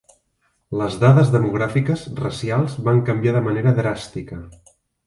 Les dades demogràfiques racials van canviar de manera dràstica.